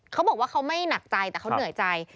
เขาบอกว่าเขาไม่หนักใจแต่เขาเหนื่อยใจ